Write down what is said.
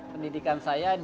pendidikan saya di